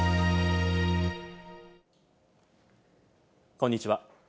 こんにちは。